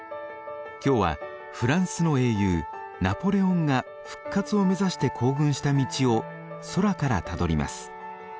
今日はフランスの英雄ナポレオンが復活を目指して行軍した道を空からたどります。